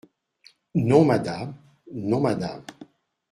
Non, madame ! non, madame !